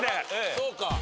そうか。